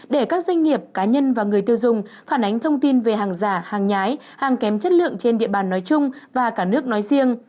để các doanh nghiệp cá nhân và người tiêu dùng phản ánh thông tin về hàng giả hàng nhái hàng kém chất lượng trên địa bàn nói chung và cả nước nói riêng